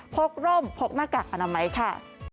กร่มพกหน้ากากอนามัยค่ะ